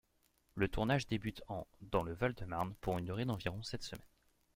Le tournage débute en dans le Val-de-Marne pour une durée d'environ sept semaines.